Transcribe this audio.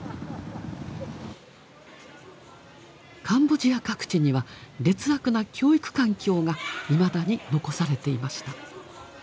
カンボジア各地には劣悪な教育環境がいまだに残されていました。